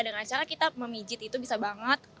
dengan cara kita memijit itu bisa banget